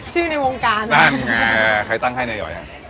ชื่อในวงการนั่นใครตั้งให้ในหย่อยฮะ